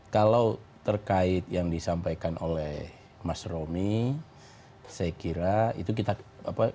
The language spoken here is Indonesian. kalau terkait yang disampaikan oleh mas romi saya kira itu kita apa